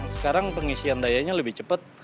sekarang pengisian dayanya lebih cepat